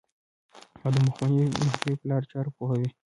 او د مخنیوي په لارو چارو پوهوي.